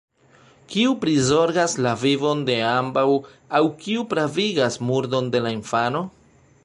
Kiu prizorgas la vivon de ambaŭ aŭ kiu pravigas murdon de la infano?